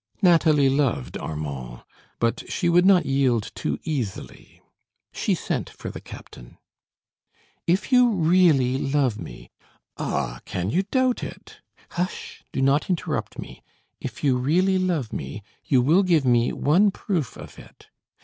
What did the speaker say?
Nathalie loved Armand; but she would not yield too easily. She sent for the captain. "If you really love me " "Ah, can you doubt it?" "Hush! do not interrupt me. If you really love me, you will give me one proof of it."